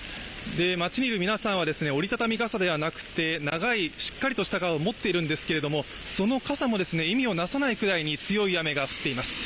街にいる皆さんは折りたたみ傘ではなくて長いしっかりとした傘を持っているんですけれどもその傘も、意味を成さないぐらいに強い雨が降っています